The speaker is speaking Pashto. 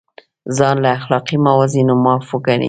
ځان له اخلاقي موازینو معاف وګڼي.